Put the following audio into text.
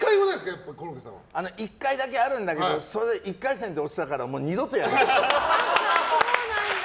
１回だけあるんだけど１回戦で落ちたからもう二度とやらない。